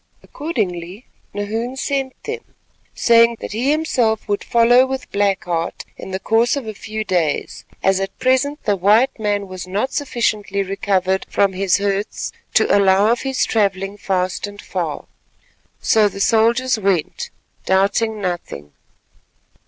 Accordingly Nahoon sent them, saying that he himself would follow with Black Heart in the course of a few days, as at present the white man was not sufficiently recovered from his hurts to allow of his travelling fast and far. So the soldiers went, doubting nothing.